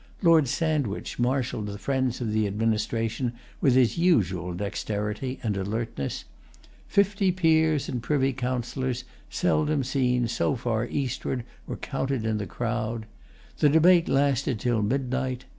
Lord Sandwich marshalled the friends of the administration with his usual dexterity and alertness. Fifty peers and privy councillors, seldom seen so far eastward, were counted in the crowd. The debate lasted till midnight.